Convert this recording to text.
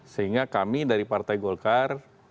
sehingga kami dari partai golkar